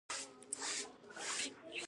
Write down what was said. چې پر پخو او رسېدلو میلانوسایټس بدلې شي.